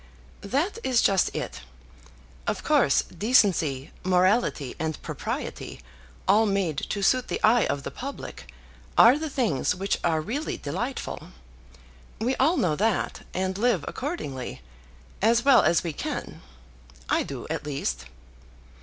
"That is just it. Of course decency, morality, and propriety, all made to suit the eye of the public, are the things which are really delightful. We all know that, and live accordingly, as well as we can. I do at least."